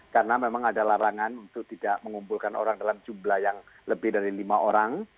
karena memang ada larangan untuk tidak mengumpulkan orang dalam jumlah yang lebih dari lima orang